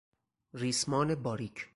ریسمان باریک